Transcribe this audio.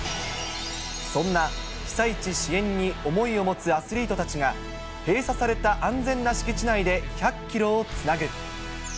そんな被災地支援に想いを持つアスリートたちが、閉鎖された安全な敷地内で１００キロをつなぐ。